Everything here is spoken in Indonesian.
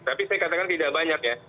tapi saya katakan tidak banyak ya